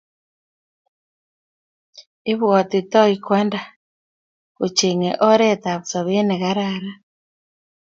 Ibwotitoi kwanda, kochengei oretap sobet ne kararan